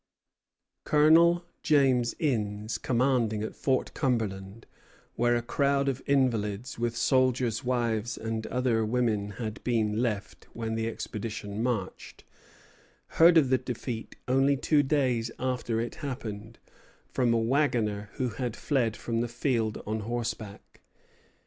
Colonel James Innes, commanding at Fort Cumberland, where a crowd of invalids with soldiers' wives and other women had been left when the expedition marched, heard of the defeat, only two days after it happened, from a wagoner who had fled from the field on horseback.